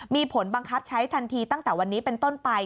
มีผลบังคับใช้ทันทีตั้งแต่วันนี้เป็นต้นไป